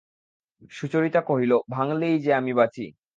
সুচরিতা কহিল, ভাঙলেই যে আমি বাঁচি।